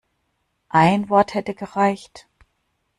Ein Wort hätte gereicht.